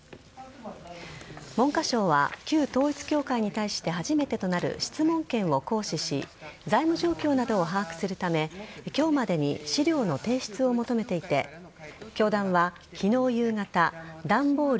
文科省は旧統一教会に対して初めてとなる質問権を行使し財務状況などを把握するため今日までに資料の提出を求めていて教団は、昨日夕方段ボール